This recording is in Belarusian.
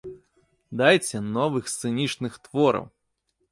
Дайце новых сцэнічных твораў!